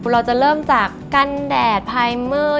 เราจะเริ่มจากกันแดดไพรเมอร์